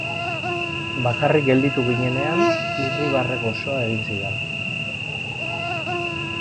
Bakarrik gelditu ginenean, irribarre goxoa egin zidaan.